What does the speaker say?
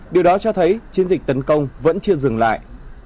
điều đó cho thấy chiến dịch tấn công vẫn chưa dừng lại